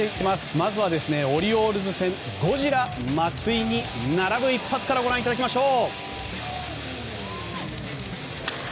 まずはオリオールズ戦ゴジラ松井に並ぶ一発からご覧いただきましょう。